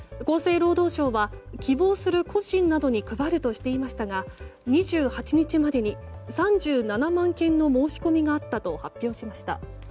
厚生労働省は希望する個人などに配るとしていましたが２８日までに３７万件の申し込みがあったと発表しました。